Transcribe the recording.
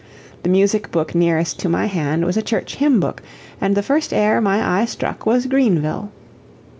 The music book nearest to my hand was a church hymn book, and the first air my eye struck was "Greenville."